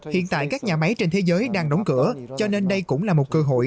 hiện tại các nhà máy trên thế giới đang đóng cửa cho nên đây cũng là một cơ hội